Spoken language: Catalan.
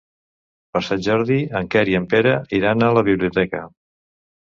Per Sant Jordi en Quer i en Pere iran a la biblioteca.